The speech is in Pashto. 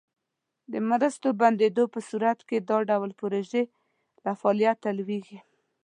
د مرستو بندیدو په صورت کې دا ډول پروژې له فعالیته لویږي.